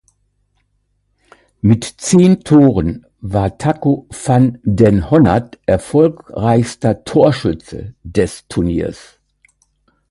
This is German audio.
Mit zehn Toren war Taco van den Honert erfolgreichster Torschütze des Turniers.